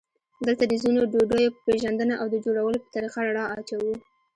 دلته د ځینو ډوډیو په پېژندنه او د جوړولو په طریقه رڼا اچوو.